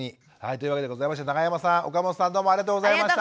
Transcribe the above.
というわけでございまして永山さん岡本さんどうもありがとうございました。